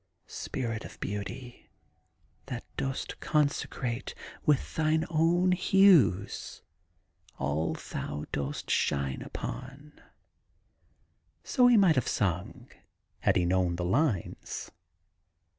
' Spirit of Beauty^ that dost consecrate With thine own hues all thou dost shine upon/ So he might have sung had he known the lines.